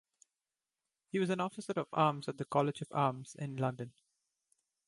He was an officer of arms at the College of Arms, in London.